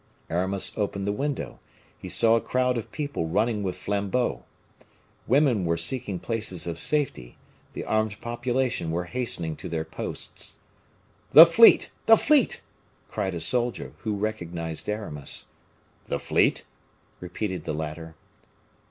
Aramis opened the window; he saw a crowd of people running with flambeaux. Women were seeking places of safety, the armed population were hastening to their posts. "The fleet! the fleet!" cried a soldier, who recognized Aramis. "The fleet?" repeated the latter.